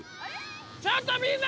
ちょっとみんな待って！